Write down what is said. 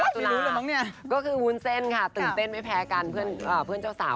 ๑๙ตุลาคมก็คือวุ้นเซ่นค่ะตื่นเต้นไม่แพ้กันเพื่อนเจ้าสาว